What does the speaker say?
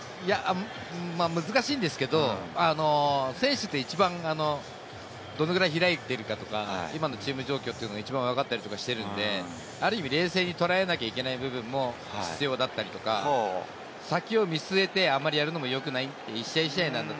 難しいんですけれども、選手って、一番どのぐらい開いてるかとか、今のチーム状況というのは一番わかったりしてるんで、ある意味、冷静に捉えなきゃいけない部分も必要だったりとか、先を見据えて、あんまりやるのもよくない。